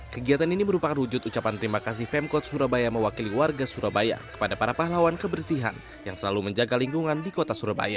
kegiatan ini merupakan wujud ucapan terima kasih pemkot surabaya mewakili warga surabaya kepada para pahlawan kebersihan yang selalu menjaga lingkungan di kota surabaya